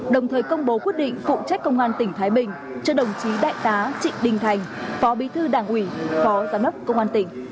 đồng thời công bố quyết định phụ trách công an tỉnh thái bình cho đồng chí đại tá trịnh đình thành phó bí thư đảng ủy phó giám đốc công an tỉnh